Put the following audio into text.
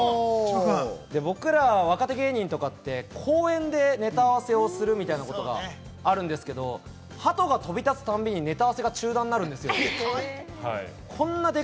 僕ら若手芸人とかって公園でネタ合わせをするみたいなことがあるんですけど、鳩が飛び立つ度にネタ合わせが中断になるんですよ。